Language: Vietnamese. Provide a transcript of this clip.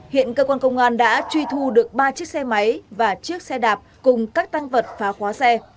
hiện cơ quan công an đã truy thu được ba chiếc xe máy và chiếc xe đạp cùng các tăng vật phá khóa xe